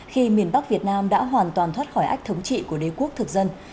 khi miền bắc việt nam đã hoàn toàn thoát khỏi ách thống trị của đế quốc thực dân